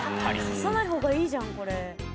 刺さない方がいいじゃんこれ。